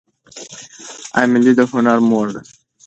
ایمیلي د هنري مور ده.